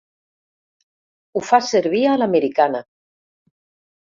Ho fas servir a l'americana.